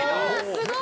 すごい！